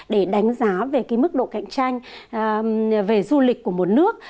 để đánh giá về cái mức độ cạnh tranh về du lịch của một nước